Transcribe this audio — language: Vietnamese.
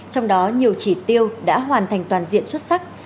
trong đó nhiều chỉ tiêu đã hoàn thành toàn diện xuất sắc